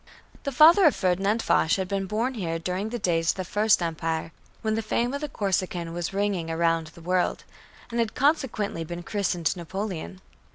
The father of Ferdinand Foch had been born here during the days of the First Empire, when the fame of the Corsican was ringing around the world and had consequently been christened Napoleon.